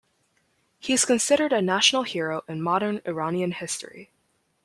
He is considered a national hero in modern Iranian history.